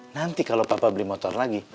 nanti kalau papa beli motor lagi